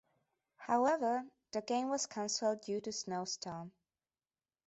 However, the game was cancelled due to snowstorm.